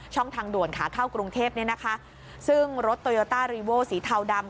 ทางด่วนขาเข้ากรุงเทพเนี่ยนะคะซึ่งรถโตโยต้ารีโวสีเทาดำ